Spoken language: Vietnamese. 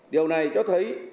điều này cho thấy